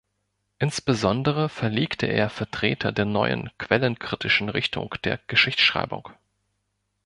Insbesondere verlegte er Vertreter der neuen quellenkritischen Richtung der Geschichtsschreibung.